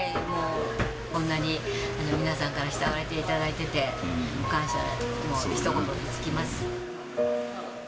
こんなに皆さんから慕っていただいてて、感謝のひと言に尽きます。